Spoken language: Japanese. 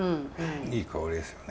いい香りですよね。